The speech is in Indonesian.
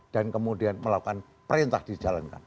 dan kemudian melakukan perintah dijalankan